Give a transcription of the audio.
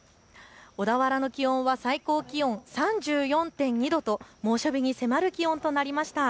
小田原の気温は最高気温３４．２度と猛暑日に迫る気温となりました。